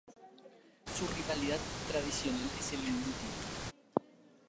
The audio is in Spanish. Su rival tradicional es el Hindú Club.